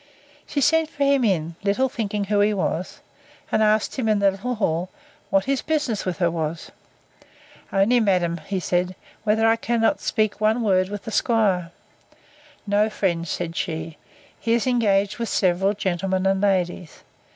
She sent for him in, little thinking who he was, and asked him, in the little hall, what his business with her was?—Only, madam, said he, whether I cannot speak one word with the 'squire? No, friend, said she; he is engaged with several gentlemen and ladies.